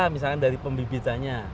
misalnya dari pembibitannya